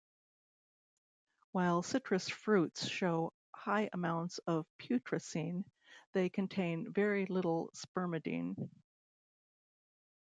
While citrus fruits show high amounts of putrescine, they contain very little spermidine.